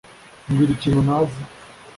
mbwira ikintu ntazi